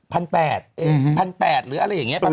พันแปดพันแปดหรืออะไรอย่างนี้